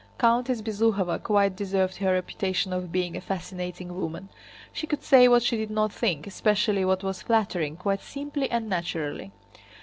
Countess Bezúkhova quite deserved her reputation of being a fascinating woman. She could say what she did not think—especially what was flattering—quite simply and naturally.